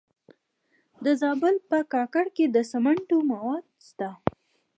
د زابل په کاکړ کې د سمنټو مواد شته.